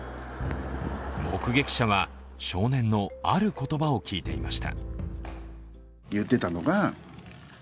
目撃者は少年のある言葉を聞いていました。